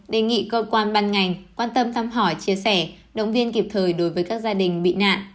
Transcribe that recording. đề nghị cơ quan ban ngành quan tâm thăm hỏi chia sẻ động viên kịp thời đối với các gia đình bị nạn